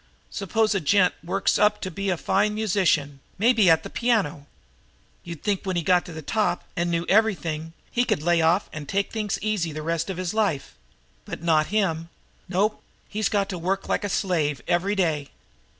Suppose a gent works up to be a fine musician, maybe at the piano. You'd think, when he got to the top and knew everything, he could lay off and take things easy the rest of his life. But not him! Nope, he's got to work like a slave every day."